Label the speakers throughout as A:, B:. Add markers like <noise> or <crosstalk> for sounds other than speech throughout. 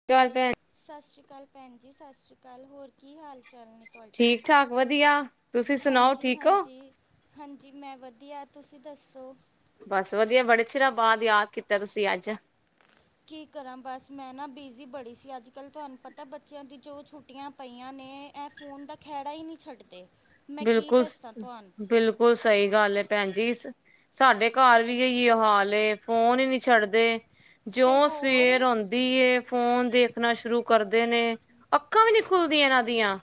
A: <unintelligible>
B: ਸਸ ਸ਼੍ਰੀ ਅਕਾਲ ਭੈਣ ਜੀ, ਸਸ ਸ਼੍ਰੀ ਅਕਾਲ, ਹੋਰ ਕੀ ਹਾਲ ਚਾਲ ਨੇ? ਤੁਹਾਡੇ
A: ਠੀਕ- ਠਾਕ ਵਧੀਆ ਤੁਸੀਂ ਸੁਨਾਓ
B: ਹਾਂਜੀ
A: ਠੀਕ ਓ?
B: ਹਾਂਜੀ ਹਾਂਜੀ, ਮੈਂ ਵਧੀਆ ਤੁਸੀਂ ਦੱਸੋ?
A: ਬਸ, ਵਧੀਆ ਬੜੇ ਚੀਰਾਂ ਬਾਦ ਯਾਦ ਕੀਤਾ, ਤੁਸੀਂ ਅੱਜ।
B: ਕੀ ਕਰਾਂ ਬਸ ਮੈਂ ਨਾ, ਬਿਜ਼ੀ ਬੜੀ ਸੀ ਅੱਜ- ਕੱਲ ਤੁਆਨੂੰ ਪਤਾ ਬੱਚੇਆਂ ਦੀ ਜੋ ਛੁੱਟੀਆਂ ਪਈਆਂ ਨੇ, ਐ ਫੋਨ ਦਾ ਖੈਹੜਾ ਈ ਨੀਂ ਛੱਡਦੇ। ਮੈਂ ਕੀ
A: ਬਿਲਕੁਲ ਸ,
B: ਦੱਸਾਂ ਤੁਹਾਨੂੰ
A: ਬਿਲਕੁਲ ਸਈ ਗੱਲ ਐ ਭੈਂਜੀ ਸਾਡੇ ਘਰ ਵੀ ਇਹੀ ਓ ਹਾਲ ਏ ਫੋਨ ਈ ਨੀਂ ਛੱਡਦੇ
B: ਤੇ
A: ਜੋਂ
B: ਹੋਰ
A: ਸਵੇਰ ਹੁੰਦੀ ਏ, ਫੋਨ ਦੇਖਨਾ ਸ਼ੁਰੂ ਕਰਦੇ ਨੇ ਅੱਖਾਂ ਵੀ ਨੀਂ ਖੁੱਲਦੀਆਂ ਏਨਾਂ ਦੀਆਂ।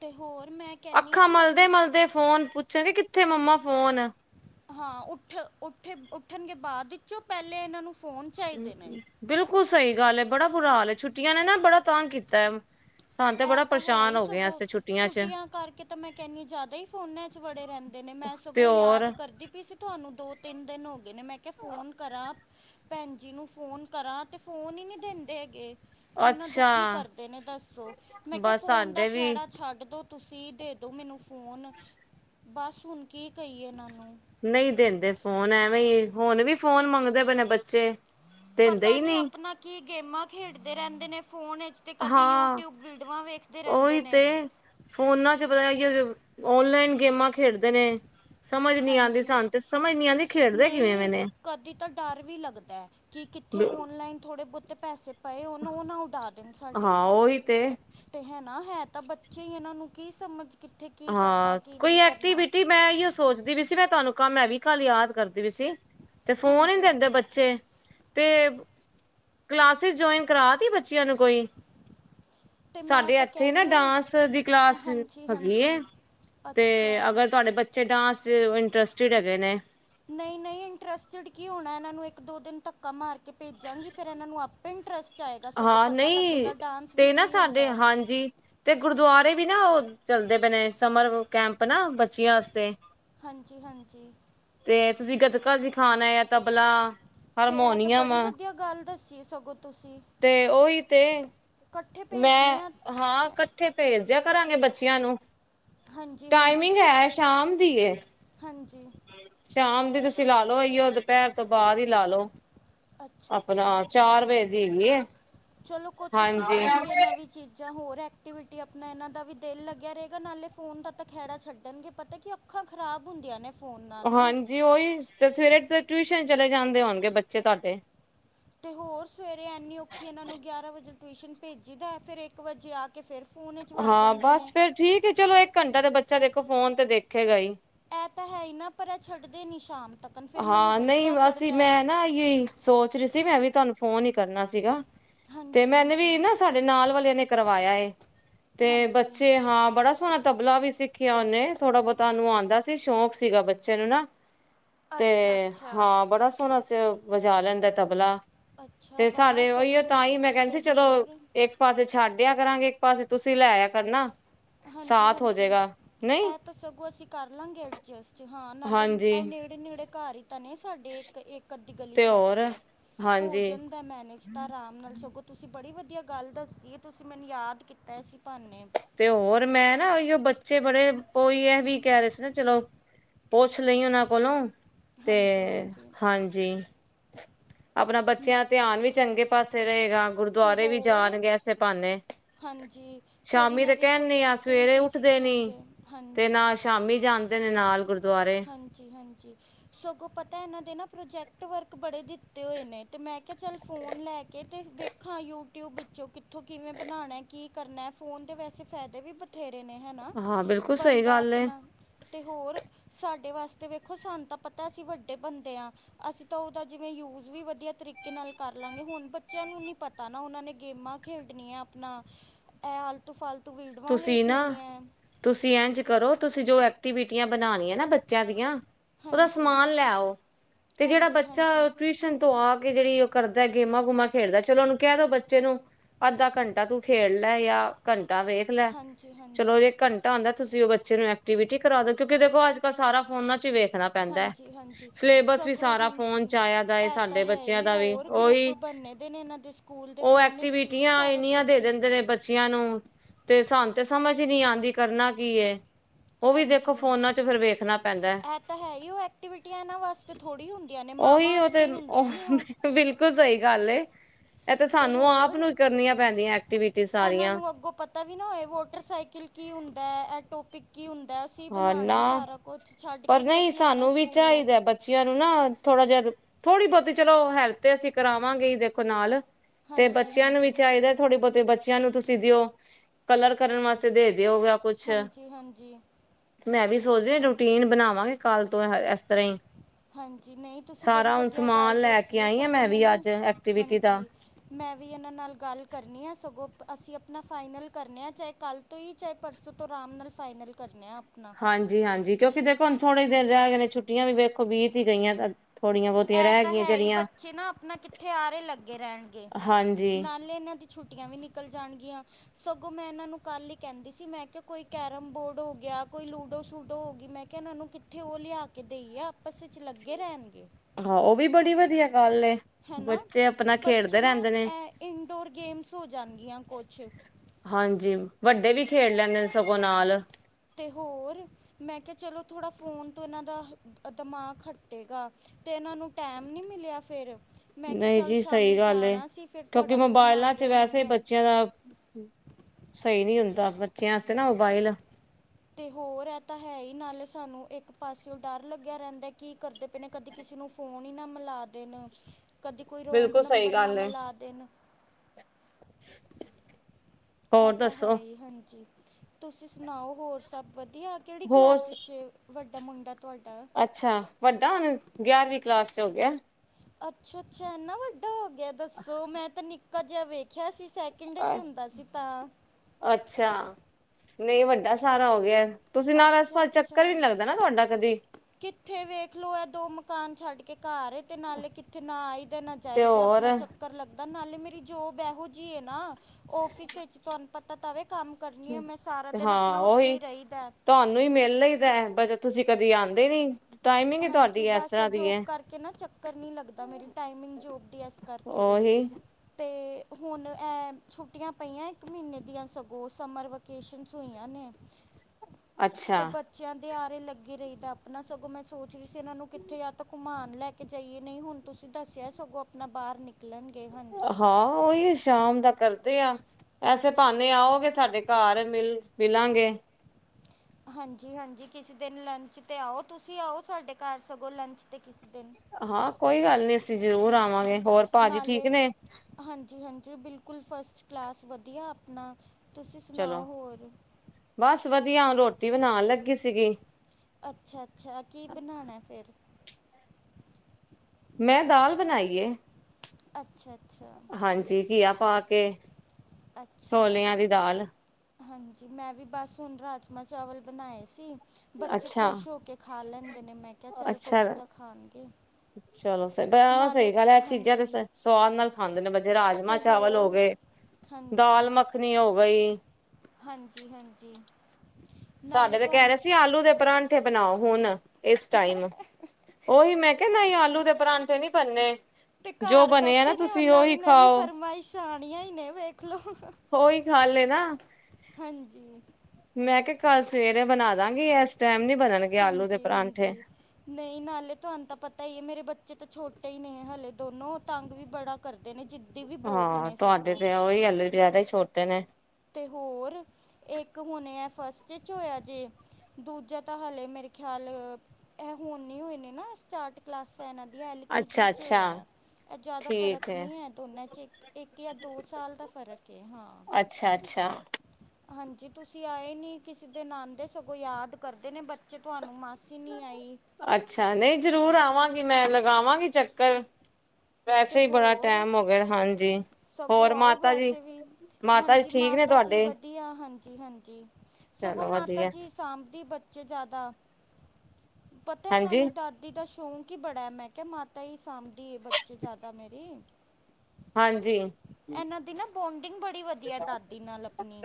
B: ਤੇ, ਹੋਰ ਮੈਂ ਕਹਿੰਦੀ
A: ਅੱਖਾਂ
B: ਹਾਂ ਮੈਂ
A: ਮਲਦੇ-ਮਲਦੇ ਫੋਨ ਪੁੱਛਣਗੇ, ਕਿੱਥੇ ਮੰਮਾ ਫੋਨ?
B: ਹਾਂ ਉੱਠ, ਉੱਠੇ, ਉੱਠਨਗੇ ਬਾਦ ਚੋਂ ਪੈਲੇ ਇਨਾਂ ਨੂੰ ਫੋਨ ਚਾਹੀਦੇ ਨੇ
A: ਬਿਲਕੁਲ ਸਈ ਗੱਲ ਐ, ਬੜਾ ਬੁਰਾ ਹਾਲ ਐ ਛੁੱਟੀਆਂ ਨੇ ਨਾ ਬੜਾ ਤੰਗ ਕੀਤਾ। ਸਾਨੂੰ ਤੇ
B: ਐ
A: ਬੜਾ
B: ਤਾਂ ਹੈ
A: ਪਰੇਸ਼ਾਨ
B: ਈ
A: ਹੋ ਗਏ
B: ਸਗੋਂ
A: ਅਸੀ ਚ
B: ਛੁੱਟੀਆਂ ਕਰਕੇ ਤਾਂ ਮੈਂ ਕੇਂਨੀ ਜਾਦਾ ਈ ਫੋਨਾਂ 'ਚ ਵੜੇ ਰੈੰਦੇ ਨੇ, ਮੈਂ
A: ਤੇ
B: ਸਗੋਂ ਯਾਦ
A: ਹੋਰ
B: ਕਰਦੀ ਪਈ ਸੀ ਤੁਆਨੂੰ ਦੋ, ਤਿੰਨ ਦਿਨ ਹੋ ਗਏ ਨੇ, ਮੈਂ ਕੇਆ ਫੋਨ ਕਰਾਂ ਭੈਂਜੀ ਨੂੰ, ਫੋਨ ਕਰਾਂ, ਤੇ ਫੋਨ ਈ ਨੀਂ ਦੇਂਦੇ ਹੈਗੇ। ਐਨਾ
A: ਅੱਛਾ
B: ਦੁਖੀ ਕਰਦੇ ਨੇ, ਦੱਸੋ ਮੈਂ ਕੇਆ
A: ਬਸ
B: ਫੋਨ ਦਾ
A: ਸਾਡੇ ਵੀ
B: ਖੈਹੜਾ ਛੱਡ ਦੋ ਤੁਸੀਂ, ਦੇ ਦੋ ਮੈਨੂੰ ਫੋਨ ਬਸ ਹੁਨ ਕੀ ਕਈਏ ਏਨਾਂ ਨੂੰ।
A: ਨਈਂ ਦੇਂਦੇ ਫੋਨ, ਐਵੇਂ ਈ ਹੁਨ ਵੀ ਫੋਨ ਮੰਗਦੇ ਪਏ ਨੇ, ਬੱਚੇ। ਦਿੰਦੇ
B: ਪਤਾ
A: ਹੀ
B: ਨੀਂ
A: ਨਹੀਂ
B: ਆਪਨਾ ਕੀ ਗੇਮਾਂ ਖੇਡਦੇ ਰੈਂਦੇ ਨੇ, ਫੋਨ 'ਚ ਤੇ ਕਦੀ, ਯੂ
A: ਹਾਂ
B: ਟਿਊਬ ਵੀਡੂਆਂ ਵੇਖਦੇ ਰੈੰਦੇ
A: ਉਹੀ
B: ਨੇ।
A: ਤੇ ਫੋਨਾਂ ਚ ਪਤਾ ਨੀਂ ਕੀ ਓਨਲਾਈਨ ਗੇਮਾਂ ਖੇਡਦੇ ਨੇ। ਸਮਝ ਨੀ ਆਉਂਦੀ
B: ਹਾਂਜੀ,
A: ਸਾਨੂੰ ਤੇ ਸਮਝ ਨੀ ਆਉਂਦੀ ਖੇਡਦੇ ਕਿਵੇਂ
B: ਨਈਂ
A: ਨੇ
B: ਕਦੀ ਤਾਂ ਡਰ ਵੀ ਲੱਗਦੈ। ਕੀ, ਕਿੱਥੇ ਓਨਲਾਈਨ ਥੋੜੇ ਬੌਤੇ ਪੈਸੇ ਪਏ ਹੋਨ, ਓ ਨਾ ਉੱਡਾ ਦੇਨ ਸਾਡੇ।
A: ਹਾਂ ਉਹੀ ਤੇ
B: ਤੇ ਹੈ ਨਾ, ਹੈ ਤਾਂ ਬੱਚੇ ਈ ਇਨਾਂ ਨੂੰ ਕੀ ਸਮਝ ਕਿੱਥੇ ਕੀ ਕਰਨਾ,
A: ਹਾਂ
B: ਕੀ
A: ਕੋਈ
B: ਨਈਂ ਕਰਨਾ।
A: ਐਕਟੀਵਿਟੀ ਮੈਂ ਏਹੀਓ ਸੋਚਦੀ ਪਈ ਸੀ, ਮੈਂ ਤੁਆਨੂੰ ਕਹਾ ਮੈਂ ਵੀ ਕੱਲ ਯਾਦ ਕਰਦੀ ਪਈ ਸੀ, ਤੇ ਫੋਨ ਹੀ ਨਈਂ
B: ਹਾਂਜੀ
A: ਦੇਂਦੇ ਬੱ ਤੇ, ਕਲਾਸੇਸ ਜੁਆਏਨ ਕਰਾ ਤੀ ਬੱਚੇਆਂ ਨੂੰ ਕੋਈ?
B: ਤੇ ਮੈਂ
A: ਸਾਡੇ
B: ਤਾਂ
A: ਇੱਥੇ ਨਾ
B: ਕਹਿੰਦੀ
A: ਡਾਂਸ
B: ਹਾਂ
A: ਦੀ ਕਲਾਸ
B: ਹਾਂਜੀ ਹਾਂਜੀ
A: <unintelligible> ਤੇ
B: ਅੱਛਾ
A: ਅਗਰ ਤੁਹਾਡੇ ਬੱਚੇ ਡਾਂਸ ਇੰਟਰਸਟਿਡ ਹੈਗੇ ਨੇ
B: ਨਹੀਂ ਨਹੀਂ ਇੰਟਰਸਟੀਡ ਕੀ ਹੋਣਾ ਇਹਨਾਂ ਨੂੰ ਇੱਕ ਦੋ ਦਿਨ ਧੱਕਾ ਮਾਰ ਕੇ ਭੇਜਾਂਗੀ ਫਿਰ ਇਹਨਾਂ ਨੂੰ ਆਪੇ ਇੰਟਰਸਟ ਆਏਗਾ ਸਗੋਂ
A: ਹਾਂ
B: ਪਤਾ
A: ਨਹੀਂ
B: ਲੱਗੇਗਾ ਡਾਂਸ ਵੀ
A: ਤੇ ਨਾ
B: ਕੀ ਹੁੰਦਾ
A: ਸਾਡੇ
B: ਹੈ
A: ਹਾਂਜੀ ਤੇ ਗੁਰਦੁਆਰੇ ਵੀ ਨਾ ਉਹ ਚੱਲਦੇ ਪਏ ਨੇ ਸਮਰ ਕੈਂਪ ਨਾ ਬੱਚਿਆਂ ਵਾਸਤੇ।
B: ਹਾਂਜੀ ਹਾਂਜੀ
A: ਤੇ ਤੁਸੀਂ ਗਤਕਾ ਸਿਖਾਣਾ ਆ ਯਾ ਤਬਲਾ
B: ਤੇ ਇਹ ਤਾਂ
A: ਹਾਰਮੋਨੀਅਮ
B: ਬੜੀ ਵਧੀਆ ਗੱਲ ਦੱਸੀ ਸਗੋਂ ਤੁਸੀਂ।
A: ਤੇ ਉਹੀ ਤੇ
B: ਇਕੱਠੇ ਭੇਜਨੇ
A: ਮੈਂ
B: ਆ
A: ਹਾਂ ਇਕੱਠੇ ਭੇਜ ਦਿਆ ਕਰਾਂਗੇ ਬੱਚਿਆਂ ਨੂੰ
B: ਹਾਂਜੀ ਹਾਂਜੀ
A: ਟਾਈਮਿੰਗ ਹੈ ਸ਼ਾਮ ਦੀ ਏ।
B: ਹਾਂਜੀ।
A: ਸ਼ਾਮ ਦੇ ਤੁਸੀਂ ਲਾ ਲਓ ਆਈਓ ਦੁਪਹਿਰ ਤੋਂ ਬਾਅਦ ਹੀ ਲਾ ਲੋ।
B: ਅੱਛਾ
A: ਆਪਣਾ
B: ਅੱਛਾ
A: ਚਾਰ ਵਜੇ ਦੀ ਹੈਗੀ, ਹਾਂਜੀ।
B: ਜਾਂ ਹੋਰ ਐਕਟੀਵਿਟੀ ਆਪਣਾ ਇਹਨਾਂ ਦਾ ਵੀ ਦਿਲ ਲੱਗਿਆ ਰਹੇਗਾ ਨਾਲੇ ਫੋਨ ਦਾ ਤਾਂ ਖੈੜਾ ਛੱਡਣਗੇ। ਪਤਾ ਕਿ ਅੱਖਾਂ ਖ਼ਰਾਬ ਹੁੰਦੀਆਂ ਨੇ ਫੋਨ ਨਾਲ ਨਾ
A: ਹਾਂਜੀ, ਉਹੀ ਤੇ ਸਵੇਰੇ ਟਿਊਸ਼ਨ ਚਲੇ ਜਾਂਦੇ ਹੋਣਗੇ ਬੱਚੇ ਤੁਹਾਡੇ।
B: ਤੇ ਹੋਰ ਸਵੇਰੇ ਐਨੀ ਔਖੀ ਇਹਨਾਂ ਨੂੰ ਗਿਆਰਾਂ ਵਜੇ ਟਿਊਸ਼ਨ ਭੇਜੀ ਦਾ, ਫਿਰ ਇੱਕ ਵਜੇ ਆ ਕੇ ਫਿਰ ਫੋਨ 'ਚ ਵੜ
A: ਹਾਂ
B: ਜਾਂਦੇ
A: ਬਸ
B: ਨੇ
A: ਫਿਰ ਠੀਕ ਹੈ। ਚਲੋ ਇੱਕ ਘੰਟਾ ਤੇ ਬੱਚਾ ਦੇਖੋ ਫੋਨ ਤੇ ਦੇਖੇਗਾ ਹੀ।
B: ਇਹ ਤਾਂ ਹੈ ਹੀ ਨਾ, ਪਰ ਇਹ ਛੱਡਦੇ ਨੀ ਸ਼ਾਮ ਤੱਕ।
A: ਹਾਂ ਨਹੀਂ ਅਸੀਂ ਮੈਂ ਨਾ ਆਈ ਸੋਚ ਰਹੀ ਸੀ, ਮੈਂ ਵੀ ਤੁਹਾਨੂੰ ਫੋਨ ਹੀ ਕਰਨਾ ਸੀਗਾ। ਤੇ
B: ਹਾਂਜੀ
A: ਮੈਨੂੰ
B: ਹਾਂਜੀ
A: ਵੀ ਨਾ, ਸਾਡੇ ਨਾਲ ਵਾਲਿਆਂ ਨੇ ਕਰਵਾਇਆ। ਤੇ
B: ਹਾਂਜੀ
A: ਬੱਚੇ ਹਾਂ ਬੜਾ ਸਾਨ ਤਬਲਾ ਵੀ ਸਿੱਖਿਆ ਉਹਨੇ, ਥੋੜਾ-ਬਹੁਤਾ ਉਹਨੂੰ ਆਉਂਦਾ ਸੀ। ਸ਼ੌਂਕ ਸੀਗਾ ਬੱਚੇ ਨੂੰ, ਨਾ ਤੇ
B: ਅੱਛਾ ਅੱਛਾ
A: ਹਾਂ, ਬੜਾ ਸੋਹਣਾ ਸ ਵਜਾ ਲੈਂਦਾ ਤਬਲਾ।
B: ਅੱਛਾ
A: ਤੇ
B: ਵਾਹ
A: ਸਾਡੇ ਉਹੀਓ,
B: ਸਗੋਂ
A: ਤਾਂਹੀ ਮੈਂ ਕਹਿੰਦੀ
B: ਅਤੇ
A: ਸੀ, ਚਲੋ
B: ਹੋਰ
A: ਇੱਕ ਇੱਕ ਪਾਸੇ ਛੱਡਿਆ ਕਰਾਂਗੇ, ਇੱਕ ਪਾਸੇ ਤੁਸੀਂ ਲਿਆ ਕਰਨਾ,
B: ਹਾਂਜੀ
A: ਸਾਥ
B: ਹਾਂਜੀ
A: ਹੋਜੇਗਾ ਨਹੀਂ?
B: ਇਹ ਸਗੋਂ ਅਸੀਂ ਕਰ ਲਾਗੇ ਐਡਜਸਟ, ਹਾਂ ਨਾਲੇ
A: ਹਾਂਜੀ
B: ਇਹ ਨੇੜੇ-ਨੇੜੇ ਘਰ ਹੀ। ਤਾਂ ਨੇ ਸਾਡੇ ਇੱਕ ਏਕ ਅੱਧੀ ਗਲੀ
A: ਤੇ
B: ਛੱਡ
A: ਹੋਰ
B: ਕੇ ਹੋ
A: ਹਾਂਜੀ
B: ਜਾਦਾ ਮੈਨੇਜ, ਤਾਂ ਆਰਾਮ ਨਾਲ ਸਗੋਂ। ਤੁਸੀਂ ਬੜੀ ਵਧੀਆ ਗੱਲ ਦੱਸੀ, ਤੁਸੀਂ ਮੈਨੂੰ ਯਾਦ ਕੀਤਾ ਇਸੇ ਭਾਨੇ।
A: ਤੇ ਹੋਰ ਮੈਂ ਨਾ ੳਇੳ ਬੱਚੇ ਬੜੇ ਹੋ ਇਹ ਵੀ ਕਹਿ ਰਹੇ ਸੀ ਨਾ ਚਲੋ ਪੁੱਛ ਲਈ ਉਹਨਾਂ ਕੋਲੋਂ, ਤੇ
B: ਹਾਂਜੀ ਹਾਂਜੀ
A: ਹਾਂਜੀ। ਆਪਣਾ ਬੱਚੇ ਦਾ ਧਿਆਨ ਵੀ ਚੰਗੇ ਪਾਸੇ ਰਹੇਗਾ।
B: ਤੇ ਹੋਰ।
A: ਇਸੇ ਭਾਨੇ।
B: ਹਾਂਜੀ। ਥੋੜੀ ਨਵੀਂ ਕੋਈ
A: ਆ ਸਵੇਰੇ
B: ਐਕਟੀਵਿਟੀ
A: ਉੱਠਦੇ ਨੀ
B: ਸਿੱਖਣਗੇ
A: ਤੇ
B: ਹਾਂਜੀ ਹਨ।
A: ਨਾ ਸ਼ਾਮੀ ਜਾਂਦੇ ਨੇ ਨਾਲ ਗੁਰਦੁਆਰੇ
B: ਹਾਂਜੀ ਹਾਂਜੀ। ਸਗੋਂ ਪਤਾ ਇਹਨਾਂ ਦੇ ਨਾ ਪ੍ਰੋਜੈਕਟ ਵਰਕ ਬੜੇ ਦਿੱਤੇ ਹੋਏ ਨੇ, ਤੇ ਮੈਂ ਕਿਹਾ, ਚੱਲ ਫੋਨ ਲੈ ਕੇ ਤੇ ਵੇਖਾ ਯੂਟਿਊਬ ਵਿੱਚੋਂ। ਕਿੱਥੋਂ ਕਿਵੇਂ ਬਣਾਉਣਾ ਕੀ ਕਰਨਾ? ਫੋਨ ਦੇ ਵੈਸੇ ਫਾਇਦੇ ਵੀ ਬਥੇਰੇ ਨੇ ਹੇਨਾ
A: ਹਾਂ ਬਿਲਕੁਲ ਸਹੀ
B: ਬੰਦਾ
A: ਗੱਲ ਏ
B: ਆਪਣਾ ਤੇ ਹੋਰ ਸਾਡੇ ਵਾਸਤੇ ਵੇਖੋ, ਸਾਨੂੰ ਤਾਂ ਪਤਾ, ਅਸੀਂ ਵੱਡੇ ਬੰਦੇ ਆਂ। ਅਸੀਂ ਤਾਂ ਉਹਦਾ ਜਿਵੇਂ ਯੂਜ਼ ਵੀ ਵਧੀਆ ਤਰੀਕੇ ਨਾਲ ਕਰ ਲਾਂਗੇ, ਹੁਣ ਬੱਚਿਆਂ ਨੂੰ ਨਹੀਂ ਪਤਾ ਪਤਾ ਨਾ ਉਹਨਾਂ ਨੇ ਗੇਮਾਂ ਖੇਡਣੀਆਂ, ਆਪਣਾ ਇਹ ਆਲਤੂ ਫਾਲਤੂ ਵੀਡੀਓਆਂ
A: ਤੁਸੀਂ
B: ਵੇਖ
A: ਨਾ
B: ਲੈਣੀਆਂ
A: ਤੁਸੀਂ ਇੰਝ ਕਰੋ ਤੁਸੀਂ ਜੋ ਐਕਟੀਵਿਟੀਆਂ ਬਨਾਣੀਆਂ ਬੱਚਿਆਂ ਦੀਆਂ ਉਹਦਾ
B: ਹਾਂਜੀ
A: ਸਮਾਨ ਲੈ ਆਓ, ਤੇ ਜਿਹੜਾ
B: ਹਾਂਜੀ
A: ਬੱਚਾ
B: ਹਾਂਜੀ
A: ਟਿਊਸ਼ਨ ਤੋਂ ਆ ਕੇ ਜਿਹੜੀ ਉਹ ਕਰਦਾ, ਗੇਮਾਂ-ਗੂਮਾਂ ਖੇਡਦਾ, ਚਲੋ ਉਹਨੂੰ ਕਹਿ ਦੋ ਬੱਚੇ ਨੂੰ। ਅੱਧਾ ਘੰਟਾ ਤੂੰ ਖੇਡ ਲੈ, ਯਾ ਘੰਟਾ ਵੇਖ ਲੈ,
B: ਹਾਂਜੀ
A: ਚਲੋ
B: ਹਾਂਜੀ
A: ਇਕ ਘੰਟਾ ਧੰਨ ਹੋਤੁਸੀਂ, ਬੱਚੇ ਨੂੰ ਐਕਟੀਵਿਟੀ ਕਰਾ ਦਿਓ, ਕਿਉਂਕਿ ਦੇਖੋ, ਅੱਜ-ਕੱਲ ਸਾਰਾ ਫੋਨਾ ਚੋ ਹੀ ਵੇਖਣਾ। ਪੈਂਦਾ ਏ,
B: ਹਾਂਜੀ ਹਾਂਜੀ
A: ਸਿਲੇਬਸ ਵੀ
B: ਸਗੋਂ
A: ਸਾਰਾ
B: ਹਾਂਜੀ
A: ਫੋਨ ਚ ਆਇਆ ਦਾ ਏ।
B: ਇਹ ਤਾਂ
A: ਸਾਡੇ
B: ਹੈ
A: ਬੱਚਿਆਂ
B: ਹੀ
A: ਦਾ ਵੀ
B: ਹੋਰ ਗਰੁੱਪ
A: ਉਹੀ
B: ਬੰਨੇ ਦੇ ਨੇ ਇਹਨਾਂ ਦੇ ਸਕੂਲ ਦੇ
A: ਉਹ
B: ਫੋਨ ਵਿੱਚ ਹੀ ਇਹ
A: ਐਕਟੀਵਿਟੀਆਂ
B: ਸਾਰਾ
A: ਇੰਨੀਆਂ ਦੇ
B: ਕੁਛ
A: ਦਿੰਦੇ ਨੇ ਬੱਚੀਆਂ ਨੂੰ, ਤੇ ਸਾਨੂੰ ਤੇ ਸਮਝ ਹੀ ਨਹੀਂ ਆਉਂਦੀ, ਕਰਨਾ ਕੀ ਏ? ਉਹ ਵੀ ਦੇਖੋ
B: ਹਾਂਜੀ,
A: ਫੋਨਾਂ ਚ ਫਿਰ ਵੇਖਣਾ ਪੈਂਦਾ
B: ਇਹ ਤਾਂ ਹੈ ਹੀ ਉਹ ਐਕਟੀਵਿਟੀਆਂ ਇਹਨਾਂ ਵਾਸਤੇ ਥੋੜੀ ਹੁੰਦੀਆਂ ਨੇ, ਮਾਵਾਂ
A: ਉਹੀ ਉਹ ਤੇ
B: ਵਸਤੇ ਹੀ ਹੁੰਦੀਆਂ ਨੇ ਉਹ।
A: ਬਿਲਕੁਲ ਸਹੀ ਗੱਲ ਏ, ਇਹ ਤਾਂ
B: ਅਤੇ
A: ਸਾਨੂੰ ਆਪ
B: ਹੋਰ
A: ਨੂੰ ਹੀ ਕਰਨੀਆਂ ਪੈਂਦੀਆਂ ਐਕਟੀਵਿਟੀ
B: ਇਹਨਾਂ
A: ਸਾਰੀਆਂ।
B: ਨੂੰ ਅੱਗੋਂ ਪਤਾ ਵੀ ਨਾ ਹੋਏ ਮੋਟਰਸਾਈਕਲ ਕੀ ਹੁੰਦਾ ਹੈ, ਐਟੋ ਕੀ ਹੁੰਦਾ, ਅਸੀਂ
A: ਹਾਂ ਨਾ
B: ਬਣਾਣਾ ਸਾਰਾ ਕੁਛ ਛੱਡ ਕੇ ਵੀ ਅਸੀਂ ਆਣਾ ਸਕੂਲੇ।
A: ਬੱਚੀਆਂ ਨੂੰ ਨਾ, ਥੋੜਾ ਜਿਹਾ, ਥੋੜ੍ਹੀ-ਬਹੁਤੀ, ਚਲੋ, ਹੈਲਪ। ਤੇ ਅਸੀਂ ਕਰਾਵਾਂਗੇ ਹੀ ਦੇਖੋ ਨਾਲ ਤੇ
B: ਹਾਂਜੀ
A: ਬੱਚਿਆਂ ਨੂੰ ਵੀ
B: ਹਾਂਜੀ
A: ਚਾਹੀਦਾ ਥੋੜੇ ਬਹੁਤੇ ਬੱਚਿਆਂ ਨੂੰ ਤੁਸੀਂ ਦਿਓ, ਕਲਰ ਕਰਨ ਵਾਸਤੇ ਦੇ ਦਿਉ।
B: ਹਾਂਜੀ- ਹਾਂਜੀ।
A: ਮੈਂ ਵੀ ਸੋਚਦੀਆ, ਰੂਟੀਨ ਬਣਾਵਾਂਗੇ ਕੱਲ ਤੋਂ ਇਸ ਤਰ੍ਹਾਂ ਹੀ।
B: ਹਾਂਜੀ, ਨਹੀਂ ਤੁਸੀਂ ਬੜੀ
A: ਸਾਰਾ ਹੁਣ
B: ਵਧੀਆ, ਗੱਲ
A: ਸਮਾਨ ਲੈ ਕੇ
B: ਦੱਸੀਏ
A: ਆਈ ਆ
B: ਸਗੋਂ
A: ਮੈਂ ਵੀ
B: ਮੈਨੂੰ
A: ਅੱਜ ਐਕਟੀਵਿਟੀ ਦਾ
B: ਹਾਂਜੀ। ਮੈਂ ਵੀ ਇਹਨਾਂ ਨਾਲ ਗੱਲ ਕਰਨੀ ਆ, ਸਗੋਂ ਅਸੀਂ ਆਪਣਾ ਫਾਈਨਲ ਕਰਨੇ ਆ ਚਾਹੇ ਕੱਲ ਤੁ ਹੀ, ਚਾਹੇ ਪਰਸੋਂ ਤੋਂ ਆਰਾਮ ਨਾਲ ਫਾਈਨਲ ਕਰਨੇ ਆ ਆਪਣਾ।
A: ਹਾਂਜੀ-ਹਾਂਜੀ। ਕਿਉਂਕਿ ਦੇਖੋ ਹੁਣ ਥੋੜੇ ਦਿਨ ਰਹਿ ਗਏ ਨੇ, ਛੁੱਟੀਆਂ ਵੀ ਵੇਖੋ ਬੀਤ ਹੀ ਗਈਆਂ। ਤਾਂ ਥੋੜੀਆਂ ਬਹੁਤੀਆਂ
B: ਇਹ
A: ਰਹਿ
B: ਤਾਂ
A: ਗਈਆਂ
B: ਹੈ, ਹੀ‌,
A: ਜਿਹੜੀਆਂ
B: ਬੱਚੇ ਨਾ ਆਪਣਾ ਕਿੱਥੇ ਆਹਰੇ ਲੱਗੇ ਰਹਿਣਗੇ।
A: ਹਾਂਜੀ
B: ਨਾਲੇ ਇਹਨਾਂ ਦੀ ਛੁੱਟੀ ਏ ਵੀ ਨਿਕਲ ਜਾਣਗੀਆਂ। ਸਗੋਂ ਮੈਂ ਇਹਨਾਂ ਨੂੰ ਕੱਲ ਹੀ ਕਹਿੰਦੀ ਸੀ, ਮੈਂ ਕਿਹਾ ਕੋਈ ਕੈਰਮ- ਬੋਰਡ ਹੋ ਗਿਆ, ਕੋਈ ਲੂਡੋ- ਸ਼ੂਡੋ ਹੋ ਗਈ। ਮੈਂ ਕਿਨਾਂ ਨੂੰ ਕਿੱਥੇ ਉਹ ਲਿਆ ਕੇ ਦੇਈਏ, ਆਪਸ ਵਿੱਚ ਲੱਗੇ ਰਹਿਣਗੇ।
A: ਹਾਂ, ਉਹ ਵੀ ਬੜੀ ਵਧੀਆ ਗੱਲ ਏ।
B: ਹੈ ਨਾ,
A: ਬੱਚੇ ਆਪਣਾ
B: ਬੱਚੇ
A: ਖੇਡਦੇ
B: ਨਾ
A: ਰਹਿੰਦੇ ਨੇ
B: ਐ ਇਨਡੋਰ ਗੇਮਸ ਹੋ ਜਾਣਗੀਆਂ ਕੁਛ।
A: ਹਾਂਜੀ, ਵੱਡੇ ਵੀ ਖੇਡ ਲੈਂਦੇ। ਸਗੋਂ ਨਾਲ।
B: ਅਤੇ ਹੋਰ ਮੈਂ ਕਿਹਾ, ਚਲੋ ਥੋੜ੍ਹਾ ਫ਼ੋਨ ਤੋਂ ਇਹਨਾਂ ਦਾ ਦਿਮਾਗ ਹੱਟੇਗਾ। ਤੇ ਇਹਨਾਂ ਨੂੰ ਟੈਮ ਨੀ ਮਿਲਿਆ ਫਿਰ? ਮੈਂ ਕਿਹਾ
A: ਨਹੀਂ
B: ਚੱਲ
A: ਜੀ, ਸਹੀ
B: ਸ਼ਾਮੀ
A: ਗੱਲ ਏ।
B: ਜਾਣਾ ਸੀ ਫਿਰ
A: ਕਿਉਂਕਿ
B: ਤੁਹਾਡਾ ਫੋਨ ਆ
A: ਮੋਬਾਇਲਾਂ ਚ
B: ਗਿਆ ਹੁਣ
A: ਵੈਸੇ ਬੱਚਿਆਂ
B: ਹਾਂਜੀ
A: ਦਾ ਸਹੀ ਨਹੀਂ ਹੁੰਦਾ, ਬੱਚਿਆਂ ਵਸਤੇ ਨਾ ਮੋਬਾਈਲ।
B: ਤੇ ਹੋਰ ਹੈ ਤਾਂ ਹੈ ਹੀ ਨਾਲ, ਸਾਨੂੰ ਇੱਕ ਪਾਸਿਓ ਡਰ ਲੱਗਿਆ ਰਹਿੰਦਾ, ਕੀ ਕਰਦੇ ਪਏ ਨੇ ਕਦੇ ਕਿਸੇ ਨੂੰ ਫੋਨ ਹੀ ਨਾ ਮਿਲਾ ਦੇਣ, ਕਦੇ -ਕੋਈ ਰੋਂਗ
A: ਬਿਲਕੁਲ ਸਹੀ
B: ਨੰਬਰ ਨਾ
A: ਗੱਲ ਏ
B: ਮਿਲਾ ਦੇਣ। ਇਹ
A: ਹੋਰ
B: ਤਾਂ ਹੈ
A: ਦੱਸੋ
B: ਹੀ ਹਾਂਜੀ, ਤੁਸੀਂ ਸੁਣਾਓ? ਹੋਰ ਸਭ ਵਧੀਆ ਕਿਹੜੀ
A: ਹੋਰ
B: ਕਲਾਸ 'ਚ? ਵੱਡਾ ਮੁੰਡਾ ਤੁਹਾਡਾ।
A: ਅੱਛਾ, ਵੱਡਾ ਗਿਆਰਵੀਂ ਕਲਾਸ ਚ ਹੋ ਗਿਆ।
B: ਅੱਛਾ- ਅੱਛਾ ਇਨਾ ਵੱਡਾ ਹੋਗਿਆ ਦੱਸੋ, ਮੈਂ ਤੇ ਨਿੱਕਾ ਜਿਹਾ ਵੇਖਿਆ ਸੀ ਸ ਕਿੰਡੇ ਚ ਹੁੰਦਾ ਸੀ ਤਾਂ?
A: ਅੱਛਾ, ਨਹੀਂ ਵੱਡਾ ਸਾਰਾ ਹੋਗਿਆ। ਤੁਸੀਂ ਨਾਲ ਇਸ
B: ਅੱਛਾ
A: ਪਾਸ ਚੱਕਰ
B: ਅੱਛਾ
A: ਵੀ ਨੀ ਲੱਗਦਾ ਨਾ ਤੁਹਾਡਾ ਕਦੇ।
B: ਕਿੱਥੇ? ਵੇਖਲੋ, ਹੈ ਦੋ ਮਕਾਨ ਛੱਡ ਕੇ ਘਰ। ਅਤੇ ਨਾਲੇ ਕਿੱਥੇ ਨਾ ਆਈਦਾ, ਨਾ
A: ਤੇ
B: ਜਾਈਦਾ,
A: ਹੋਰ
B: ਆਪਣਾ ਚੱਕਰ ਲੱਗਦਾ, ਨਾਲੇ ਮੇਰੀ ਜੋਬ ਇਹੋ ਜਿਹੀ ਹੈ ਨਾ। ਓਫਿਸ ਵਿੱਚ ਤੁਹਾਨੂੰ ਪਤਾ ਤਵੇ ਕੰਮ ਕਰਨੀ ਹੈ, ਮੈਂ ਸਾਰਾ ਦਿਨ
A: ਹਾਂ
B: ਆਪਣਾ ਉੱਥੇ
A: ਉਹੀ
B: ਹੀ ਰਹੀਦਾ।
A: ਤੁਹਾਨੂੰ ਹੀ ਮਿਲ ਲਈਦਾ, ਪਰ ਤੁਸੀਂ ਕਦੀ ਆਉਂਦੇ ਨੀ। ਟਾਈਮਿੰਗ ਹੀ
B: ਹਾਂਜੀ,
A: ਤੁਹਾਡੀ ਇਸ
B: ਬਸ
A: ਤਰ੍ਹਾਂ ਦੀ
B: ਜੋਬ
A: ਹੈ
B: ਕਰਕੇ ਨਾ ਚੱਕਰ ਨਹੀਂ ਲੱਗਦਾ, ਮੇਰੀ ਟਾਈਮਿੰਗ ਜੋਬ ਦੀ ਇਸ ਕਰਕੇ। ਵੇ
A: ਓਹੀ।
B: ਤੇ ਹੁਣ ਐ ਛੁੱਟੀਆਂ ਪਈਆਂ, ਇੱਕ ਮਹੀਨੇ ਦੀਆਂ ਸਗੋਂ, ਸਮਰ ਵੈਕੇਸ਼ਨਸ ਹੋਈਆਂ ਨੇ।
A: <inaudible> ਅੱਛਾ
B: ਤੇ ਬੱਚਿਆਂ ਦੇ ਆਰੇ ਲੱਗੀ ਰਹੀ ਦਾ, ਆਪਣਾ ਸਗੋਂ ਮੈਂ ਸੋਚ ਰਹੀ ਸੀ ਇਹਨਾਂ ਨੂੰ ਕਿੱਥੇ ਜਾਂ ਤਾਂ ਘੁਮਾਣ ਲੈ ਕੇ ਜਾਈਏ, ਨਹੀਂ ਹੁਣ ਤੁਸੀਂ ਦੱਸਿਆ, ਸਗੋਂ ਆਪਣਾ ਬਾਹਰ ਨਿਕਲ ਣਗੇ, ਹਾਂਜੀ।
A: ਹਾਂ ਉਹੀ ਸ਼ਾਮ ਦਾ ਕਰਦੇ ਆ। ਐਸੇ ਭਾਨੇ ਆਓਗੇ ਸਾਡੇ ਘਰ, ਮਿਲ, ਮਿਲਾਂਗੇ।
B: ਹਾਂਜੀ, ਹਾਂਜੀ ਕਿਸੇ ਦਿਨ ਲੰਚ ਤੇ ਆਓ ਤੁਸੀਂ ਆਓ, ਸਾਡੇ ਘਰ ਸਗੋਂ ਲੰਚ ਤੇ ਕਿਸ ਦਿਨ।
A: ਹਾਂ, ਕੋਈ ਗੱਲ ਨੀ, ਅਸੀਂ ਜ਼ਰੂਰ ਆਵਾਂਗੇ। ਹੋਰ਼!
B: ਨਾਲੇ ਹਾਂਜੀ, ਹਾਂਜੀ ਬਿਲਕੁਲ ਫਸਟ ਕਲਾਸ ਵਧੀਆ ਆਪਣਾ। ਤੁਸੀਂ ਸੁਣਾਓ
A: ਚਲੋ
B: ਹੋਰ?
A: ਬਸ ਵਧੀਆ, ਰੋਟੀ ਬਣਾਉਣ ਲੱਗੀ ਸੀਗੀ।
B: ਅੱਛਾ, ਅੱਛਾ ਕੀ ਬਣਾਣਾ ਫਿਰ?
A: ਮੈਂ ਦਾਲ ਬਣਾਈ ਏ।
B: ਅੱਛਾ, ਅੱਛਾ।
A: ਹਾਂਜੀ, ਘੀਆ ਪਾ ਕੇ।
B: ਅੱਛਾ।
A: ਛੋਲਿਆਂ ਦੀ ਦਾਲ
B: ਹਾਂਜੀ, ਮੈਂ ਵੀ ਬਸ ਹੁਣ ਰਾਜਮਾ- ਚਾਵਲ ਬਣਾਏ ਸੀ। ਬੱਚੇ
A: ਅੱਛਾ,
B: ਖੁਸ਼ ਹੋ ਕੇ ਖਾ ਲੈਂਦੇ ਨੇ, ਮੈਂ ਕਿਹਾ‌ ਚੱਲ
A: ਅੱਛਾ
B: ਕੁਛ ਤਾਂ ਖਾਣਗੇ।
A: ਚਲੋ ਸ
B: ਨਾਲੇ
A: ਸਹੀ ਗੱਲ, ਐ ਚੀਜਾ ਤੇ
B: ਹਾਂਜੀ
A: ਸਵਾਦ ਨਾਲ ਖਾਂਦੇ ਨੇ ਬੱਚੇ, ਰਾਜਮਾਂ
B: ਅਤੇ
A: ਚਾਵਲ ਹੋ
B: ਹੋਰ
A: ਗਏ-
B: ਹਾਂਜੀ।
A: ਦਾਲ ਮੱਖਣੀ ਹੋ ਗਈ।
B: ਹਾਂਜੀ, ਹਾਂਜੀ। ਨਾਲੇ
A: ਸਾਡੇ ਤੇ ਕਹਿ
B: ਤੁਹਾਨੂੰ
A: ਰਹੇ ਸੀ ਆਲੂ ਦੇ ਪਰਾਂਠੇ ਬਣਾਓ ਹੁਣ ਇਸ ਟਾਈਮ, ਉਹੀ ਮੈ- ਕਿਹਾ ਨਹੀ ਆਲੂ ਦੇ ਪਰਾਂਠੇ ਨੀ ਬਨ ਨੇ।
B: ਤੇ ਘਰ ਬੈਠੇ ਨੇ, ਉਹ ਨਵੀ- ਨਵੀ
A: ਖਾਓ,
B: ਫਰਮਾਇਸ਼ ਆਣੀਆਂ ਨੇ ਵੇਖਲੋ।
A: ਓਹੀ ਗੱਲ ਏ।
B: ਹਾਂਜੀ।
A: ਮੈ ਕਿਹਾ ਕਲ ਸਵੇਰੇ ਬਣਾ ਦਾਗੀ, ਇਸ ਟਾਈਮ ਨੀ ਬਣਨਗੇ ਆਲੂ ਦੇ ਪਰਾਂਠੇ।
B: ਨਹੀ ਨਾਲੇ ਤੁਹਾਨੂੰ ਤਾਂ ਪਤਾ ਹੀ ਐ, ਮੇਰੇ ਬੱਚੇ ਤਾਂ ਛੋਟੇ ਹੀ ਨੇ ਹਲੇ ਦੋਨੋ, ਤੰਗ ਵੀ ਬੜਾ- ਕਰਦੇ ਨੇ, ਜਿਦੀ ਵੀ ਬਹੁਤ ਨੇ ਸਗੋ।
A: ਜਿਆਦਾ ਹੀ ਛੋਟੇ ਨੇ।
B: ਤੇ ਹੋਰ, ਇਕ ਹੁਣੇ ਏ ਫਸਟ 'ਚ ਹੋਇਆ ਜੇ- ਦੂਜਾ ਤਾਂ ਹਲੇ ਮੇਰੇ ਖਿਆਲ, ਇਹ ਹੁਣ ਹੀ ਹੋਏ ਨੇ ਨਾ ਸਟਾਰਟ ਕਲਾਸ ਏਨਾਂ ਦ ਏ ਐਲ ਕੇ ਜੀ
A: ਅੱਛਾ,
B: 'ਚ
A: ਅੱਛਾ
B: ਹੋਇਆ, ਇਹ ਜਿਆਦਾ
A: ਠੀਕ
B: ਫ਼ਰਕ
A: ਹੈ,
B: ਨਹੀ ਐ। ਦੋਨਾ 'ਚ ਇਕ, ਇਕ ਜਾਂ ਦੋ ਸਾਲ ਦਾ ਫ਼ਰਕ ਏ, ਹਾਂ।
A: ਅੱਛਾ, ਅੱਛਾ
B: ਹਾਂਜੀ, ਤੁਸੀ ਆਏ ਨੀ, ਕਿਸੇ ਦਿਨ ਆਂਦੇ, ਸਗੋ ਯਾਦ ਕਰਦੇ ਨੇ ਬੱਚੇ ਤੁਹਾਨੂੰ ਮਾਸੀ ਨਹੀ ਆਈ।
A: ਅੱਛਾ, ਨਹੀ ਜਰੂਰ ਆਵਾਂਗੀ, ਮੈ ਲਗਾਵਾਂਗੀ ਚੱਕਰ। ਵੈਸੇ ਹੀ ਬੜਾ ਟੈਮ ਹੋ ਗਿਆ, ਹਾਂਜੀ।
B: ਸਗੋ
A: ਹੋਰ
B: ਆਓ
A: ਮਾਤਾ ਜੀ
B: ਵੈਸੇ ਵੀ,
A: ਮਾਤਾ ਜੀ
B: ਹਾਂਜੀ,
A: ਠੀਕ ਨੇ
B: ਮਾਤਾ ਜੀ ਵ-
A: ਤੁਹਾਡੇ
B: ਵਧੀਆ, ਹਾਂਜੀ -ਹਾਂਜੀ ਸਗੋ
A: ਚਲੋ
B: ਮਾਤਾ
A: ਵਧੀਆ
B: ਜੀ ਸਾਂਭ ਦੀ ਬੱਚ- ਜੇ ਜਾਦਾ, ਪਤਾ ਏਨਾ
A: ਹਾਂਜੀ
B: ਨੂੰ ਦਾਦੀ ਦਾ ਸ਼ੌਕ ਈ ਬੜਾ ਮੈ ਕੇਆ ਮਾਤਾ ਈ ਸਾਂਭਦੀ ਬੱਚ ਬੱਚੇ ਜਾਦਾ ਮੇਰੇ
A: ਹਾਂਜੀ।
B: ਏਨਾ ਦੀ ਨਾ ਬੋਡਿੰਗ ਬੜੀ ਵ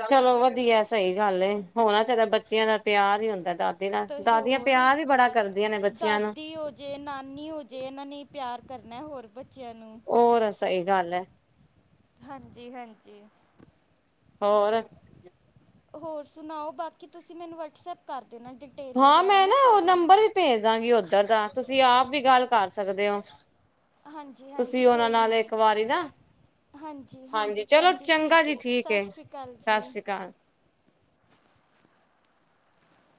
A: ਚਲੋ ਵੱਧੀਆ ਸਈ ਗੱਲ ਏ, ਹੋਣਾ ਚਾਈਦਾ ਬੱਚਿਆਂ ਦਾ ਪਿਆਰ ਈ ਹੁੰਦਾ ਦਾ ਨਾਲ
B: ਤੇ
A: ਦਾਦੀਆਂ
B: ਹੋਰ
A: ਪਿਆਰ ਵੀ ਬੜਾ ਕਰਦੀਆਂ ਨੇ ਬੱਚੇਆਂ ਨੂੰ-
B: ਦਾਦੀ ਹੋ ਜੇ ਨਾਨੀ ਹੋ ਜੇ ਏਨਾ ਨੇ ਪਿਆਰ ਕਰਨਾ ਹੋਰ ਬੱਚੇਆਂ ਨੂੰ-
A: ਹੋਰ ਸਈ ਗੱਲ ਐ।
B: ਹਾਂਜੀ- ਹਾਂਜੀ।
A: ਹੋਰ-
B: ਹੋਰ ਸੁਣਾਓ, ਬਾਕੀ ਤੁਸੀ ਮੈਨੂੰ ਵਟਸਐਪ ਕਰ ਦੇਣਾ ਡਿਟੇਲ
A: ਹਾਂ ਮੈ
B: ਵਗੈਰਾ
A: ਨਾ ਓ
B: ਸਾਰੀ
A: ਨੰਬਰ ਈ ਭੇਜ ਦਾਗੀ ਓਧਰ ਦਾ ਤੁਸੀ ਆਪ ਵੀ ਗੱਲ ਕਰ ਸਕਦੇ ਓ।
B: ਹਾਂਜੀ
A: ਤੁਸੀ
B: ਹਾਂਜੀ
A: ਓਨਾ
B: ਕੋਈ
A: ਨਾਲ
B: ਨਹੀਂ
A: ਇਕ ਵਾਰੀ ਨਾ- ਹਾਂਜੀ, ਚਲੋ
B: ਭੈਣ
A: ਚੰਗਾ ਜੀ
B: ਹੈ
A: ਠੀਕ
B: ਸਤਿ
A: ਏ।
B: ਸ਼੍ਰੀ ਅਕਾਲ
A: ਸਤਿ
B: ਜੀ
A: ਸ੍ਰੀ ਅਕਾਲ-